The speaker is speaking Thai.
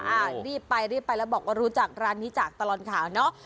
อ่ารีบไปรีบไปแล้วบอกว่ารู้จักร้านนี้จากตลอดข่าวเนอะ